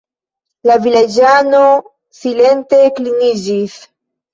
La vilaĝano silente kliniĝis.